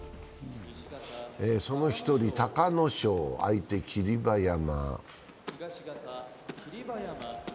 その１人・隆の勝、相手、霧馬山。